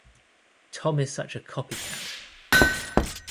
Tom is such a copycat.